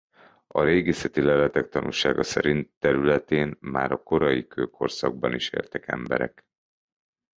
A régészeti leletek tanúsága szerint területén már a korai kőkorszakban is éltek emberek.